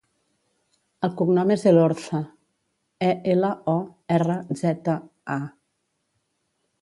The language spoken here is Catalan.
El cognom és Elorza: e, ela, o, erra, zeta, a.